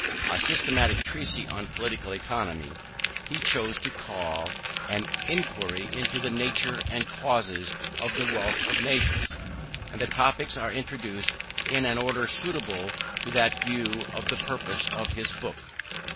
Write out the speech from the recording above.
A systematic treatise on Political Economy, he chose to call an Inquiry into the Nature and Causes of the Wealth of Nations; and the topics are introduced in an order suitable to that view of the purpose of his book.